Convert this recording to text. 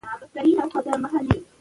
هغه سړی چې راغلی، بل دی.